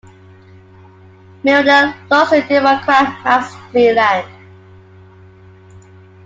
Millner lost to Democrat Max Cleland.